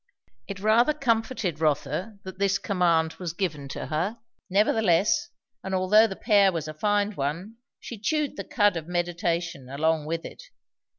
It rather comforted Rotha that this command was given to her; nevertheless and although the pear was a fine one, she 'chewed the cud of meditation' along with it.